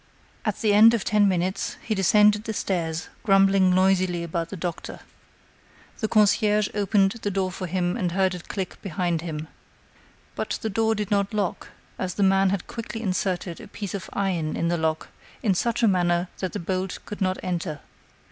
At the end of ten minutes, he descended the stairs, grumbling noisily about the doctor. The concierge opened the door for him and heard it click behind him. But the door did not lock, as the man had quickly inserted a piece of iron in the lock in such a manner that the bolt could not enter.